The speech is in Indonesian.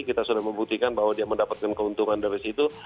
kita sudah membuktikan bahwa dia mendapatkan keuntungan dari situ